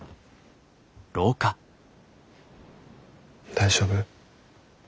大丈夫？